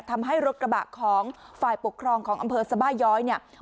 ทำให้รถกระบะของฝ่ายปกครองของอำเภอสบาย้อยเนี่ย